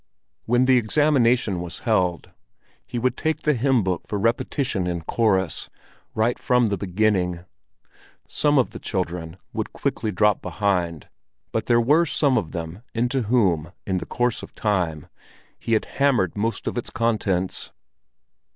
When the examination was held, he would take the hymn book for repetition in chorus—right from the beginning. Some of the children would quickly drop behind, but there were some of them, into whom, in the course of time, he had hammered most of its contents.